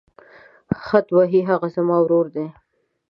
خط وهي هغه زما ورور دی.